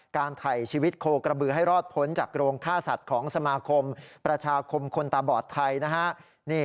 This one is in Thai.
ไถ่ชีวิตโคกระบือให้รอดพ้นจากโรงฆ่าสัตว์ของสมาคมประชาคมคนตาบอดไทยนะฮะ